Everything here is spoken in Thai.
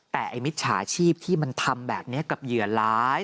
แต่ไอ้มิจฉาชีพที่มันทำแบบนี้กับเหยื่อหลาย